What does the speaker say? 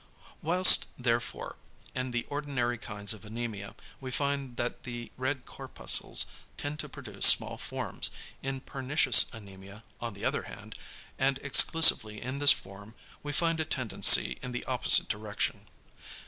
Whilst, therefore, in the ordinary kinds of anæmia we find that the red corpuscles tend to produce small forms, in pernicious anæmia, on the other hand, and exclusively in this form, we find a tendency in the opposite direction.